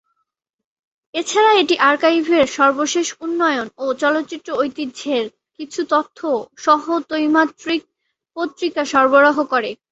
এছাড়া এটি আর্কাইভের সর্বশেষ উন্নয়ন ও চলচ্চিত্র ঐতিহ্যের কিছু তথ্য সহ ত্রৈমাসিক পত্রিকা সরবরাহ করে।